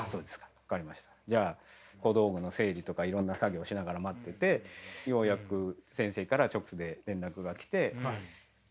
じゃあ小道具の整理とかいろんな作業しながら待っててようやく先生から直で連絡が来て。